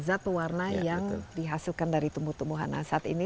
jadi itu adalah satu warna yang dihasilkan dari tumbuh tumbuhan asad ini